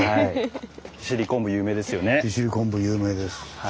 利尻昆布有名ですよね。